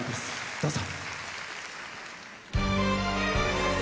どうぞ。